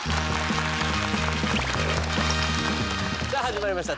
さあ始まりました